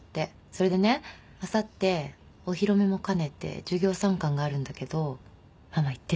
それでねあさってお披露目も兼ねて授業参観があるんだけどママ行ってみようかな。